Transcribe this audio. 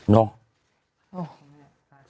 เนาะ